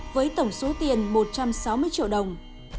với tổng số tiền một trăm sáu mươi triệu đồng